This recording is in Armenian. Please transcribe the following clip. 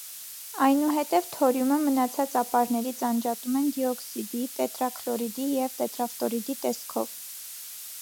Այնուհետև թորիումը մնացած ապարներից անջատում են դիօքսիդի, տետրաքլորիդի և տետրաֆտորիդի տեսքով։